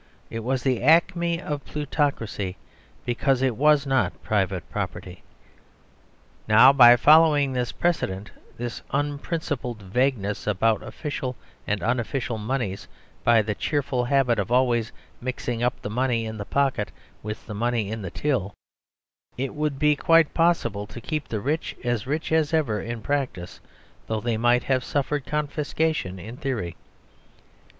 It was the acme of plutocracy because it was not private property. Now, by following this precedent, this unprincipled vagueness about official and unofficial moneys by the cheerful habit of always mixing up the money in the pocket with the money in the till, it would be quite possible to keep the rich as rich as ever in practice, though they might have suffered confiscation in theory.